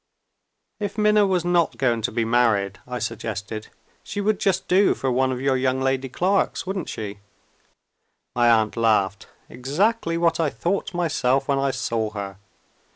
"If Minna was not going to be married," I suggested, "she would just do for one of your young lady clerks, wouldn't she?" My aunt laughed. "Exactly what I thought myself, when I saw her.